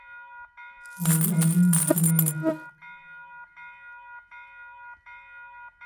Wano ani yagulawo?